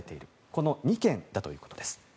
この２件だということです。